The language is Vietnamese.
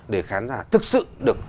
để khán giả thực sự được